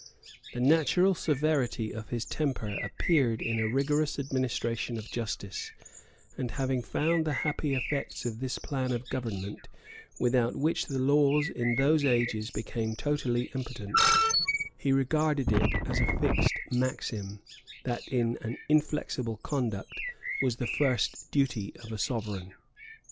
The natural severity of his temper appeared in a rigorous administration of justice; and having found the happy effects of this plan of government, without which the laws in those ages became totally impotent, he regarded it as a fixed maxim, that an inflexible conduct was the first duty of a sovereign.